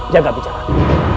jangan menyebar fitnah